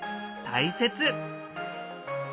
大切。